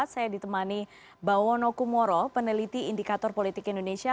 saya ditemani bawono kumoro peneliti indikator politik indonesia